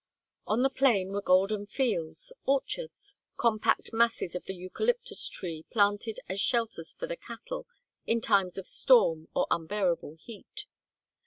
On the plain were golden fields, orchards, compact masses of the eucalyptus tree planted as shelters for the cattle in time of storm or unbearable heat.